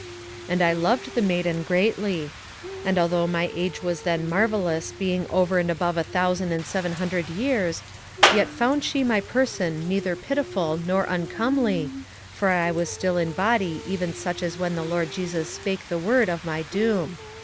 And I loved the maiden greatly. And although my age was then marvellous being over and above a thousand and seven hundred years, yet found she my person neither pitiful nor uncomely, for I was still in body even such as when the Lord Jesus spake the word of my doom.